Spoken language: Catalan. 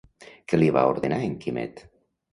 Què li va ordenar en Quimet?